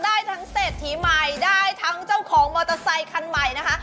ได้ทั้งเศรษฐีใหม่ได้ทั้งเจ้าของมอเตอร์ไซคันใหม่นะคะ